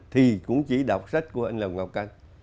thì cũng chỉ đọc sách của anh lê ngọc canh